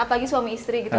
apalagi suami istri gitu